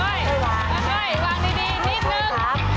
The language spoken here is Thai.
ไม่จับเหรอโก้ยวางดีนิดหนึ่ง